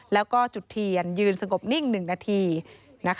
แล้วก็จุดเทียนยืนสงบนิ่ง๑นาที